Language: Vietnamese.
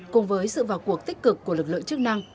cùng với sự vào cuộc tích cực của lực lượng chức năng